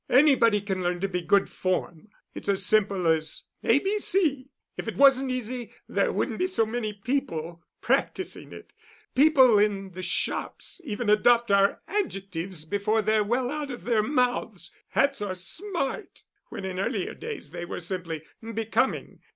Anybody can learn to be good form. It's as simple as a, b, c. If it wasn't easy there wouldn't be so many people practising it. The people in the shops even adopt our adjectives before they're well out of our mouths. Hats are 'smart,' when in earlier days they were simply 'becoming.